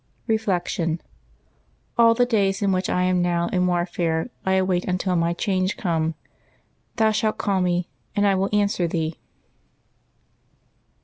je Reflection. — "All the days in which I am now in war ''■' fare I await until my change come. Thou shalt call me, and I will answer Thee.''